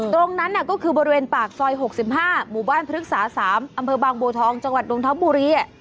ตรงนั้นก็คือบริเวณปากซอย๖๕หมู่บ้านพฤกษา๓อำเภอบางบัวทองจังหวัดนทบุรี